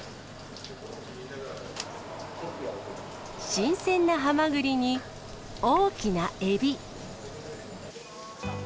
新鮮なハマグリに、大きなエビ。